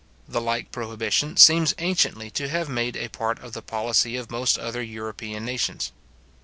The like prohibition seems anciently to have made a part of the policy of most other European nations.